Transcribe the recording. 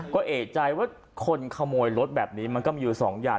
ก็เอกใจว่าคนขโมยรถแบบนี้มันก็มีอยู่สองอย่าง